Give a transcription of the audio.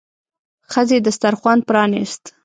ښځې دسترخوان پرانيست.